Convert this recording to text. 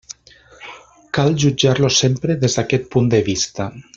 Cal jutjar-lo sempre des d'aquest punt de vista.